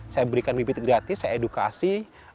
saya berikan bibit gratis saya edukasi